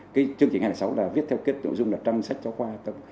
cái chương trình hai trăm linh sáu là viết theo cái nội dung là trong sách giáo khoa